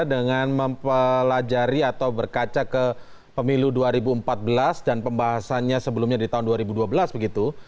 dengan mempelajari atau berkaca ke pemilu dua ribu empat belas dan pembahasannya sebelumnya di tahun dua ribu dua belas begitu